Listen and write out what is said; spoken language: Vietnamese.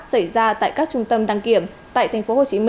xảy ra tại các trung tâm đăng kiểm tại tp hcm